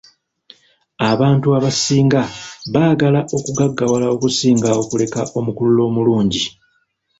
Abantu abasinga baagala okugaggawala okusinga okuleka omukululo omulungi.